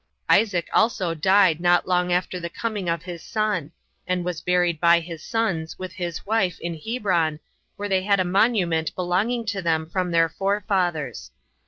Isaac also died not long after the coming of his son; and was buried by his sons, with his wife, in Hebron, where they had a monument belonging to them from their forefathers.